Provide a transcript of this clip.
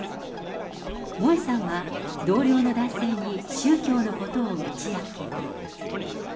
萌さんは同僚の男性に宗教のことを打ち明け。